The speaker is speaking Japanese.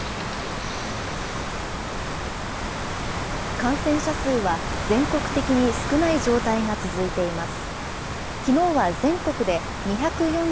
感染者数は全国的に少ない状態が続いています。